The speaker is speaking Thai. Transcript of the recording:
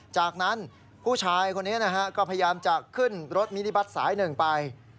จากนั้นผู้ชายคนนี้นะฮะก็พยายามจะขึ้นรถมินิบัตรสายหนึ่งไป